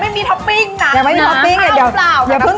อันนี้ก็ยังไม่มีท็อปปิ้งก็อมกล่าว